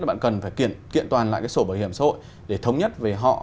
bảo hiểm xã hội để thống nhất về họ